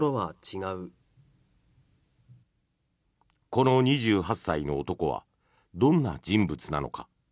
この２８歳の男はどんな人物なのか。